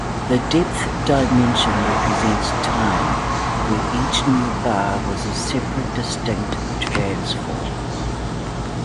The depth dimension represents time, where each new bar was a separate distinct transform.